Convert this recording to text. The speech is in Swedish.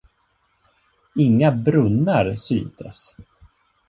Inga brunnar syntes.